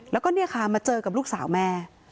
แล้วก็เนี่ยค่ะมาเจอกับลูกสาวแม่